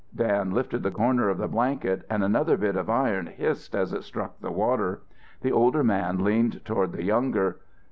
Dan lifted the corner of the blanket and another bit of iron hissed as it struck the water. The older man leaned toward the younger.